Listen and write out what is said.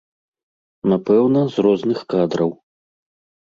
Напэўна, з розных кадраў.